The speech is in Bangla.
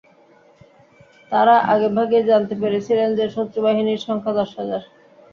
তারা আগেভাগেই জানতে পেরেছিলেন যে, শত্রুবাহিনীর সংখ্যা দশ হাজার।